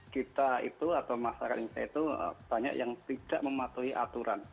kita itu atau masyarakat indonesia itu banyak yang tidak mematuhi aturan